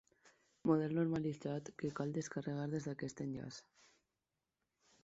Model normalitzat que cal descarregar des d'aquest enllaç.